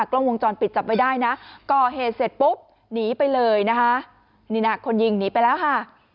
กล้องวงจรปิดจับไว้ได้นะก่อเหตุเสร็จปุ๊บหนีไปเลยนะคะนี่น่ะคนยิงหนีไปแล้วค่ะ